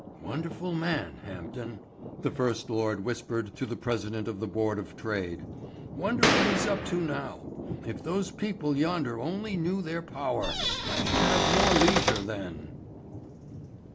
"Wonderful man, Hampden," the First Lord whispered to the President of the Board of Trade; "wonder what he's up to now. If those people yonder only knew their power! I should have more leisure then."